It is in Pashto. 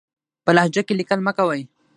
په لهجه کې ليکل مه کوئ!